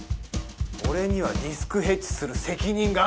俺にはリスクヘッジする責任がある！